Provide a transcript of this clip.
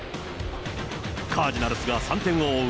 カージナルスが３点を追う